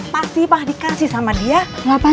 pasti pak dikasih sama dia